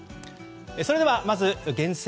それではまず厳選！